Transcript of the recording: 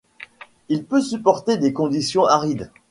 Il peut supporter des conditions arides.